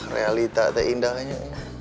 realita teh indahnya